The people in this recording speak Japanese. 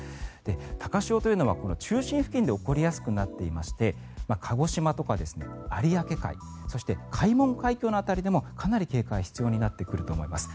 高潮というのは中心付近で起こりやすくなっていまして鹿児島とか有明海そして関門海峡の辺りでもかなり警戒が必要になってくると思います。